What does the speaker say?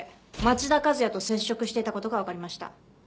町田和也と接触していた事がわかりました。